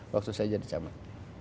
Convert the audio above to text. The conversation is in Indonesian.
waktu saya jadi camat